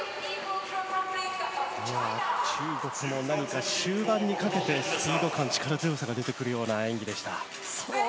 中国も何か終盤にかけてスピード感、力強さが出てくるような演技でした。